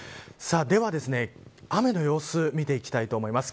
では、雨の様子を見ていきたいと思います。